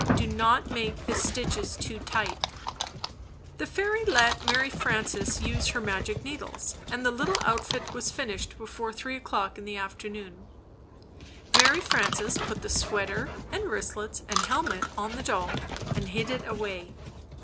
Do not make the stitches too tight. )ew ^odethefo The Boy Aviator 199 The fairy let Mary Frances use her magic needles, and the little outfit was finished before three o'clock in the afternoon. Mary Frances put the sweater and wristlets and helmet on the doll and hid it away.